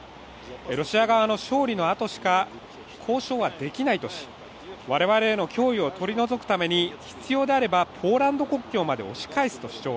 ロシア側の勝利のあとしか交渉はできないとし、我々への脅威を取り除くために必要であればポーランド国境まで押し返すと主張。